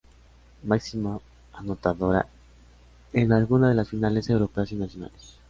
Máxima anotadora en alguna de las finales europeas y nacionales.